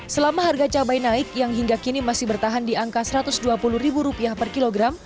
selama harga cabai naik yang hingga kini masih bertahan di angka rp satu ratus dua puluh per kilogram